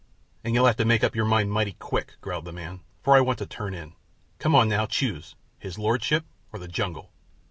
"And you'll have to make up your mind mighty quick," growled the man, "for I want to turn in. Come now, choose—his lordship or the jungle?"